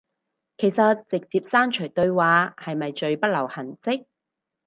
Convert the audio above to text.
其實直接刪除對話係咪最不留痕跡